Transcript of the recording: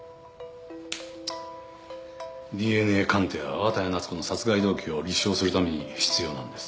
ＤＮＡ鑑定は綿谷夏子の殺害動機を立証するために必要なんです。